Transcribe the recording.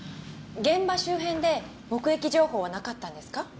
現場周辺で目撃情報はなかったんですか？